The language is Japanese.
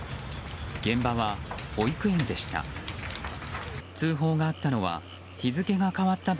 現場は保育園でした。